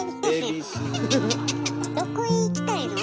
どこへ行きたいの？